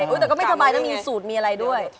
แต่ก็ไม่สบายนะมีสูตรมีอะไรด้วย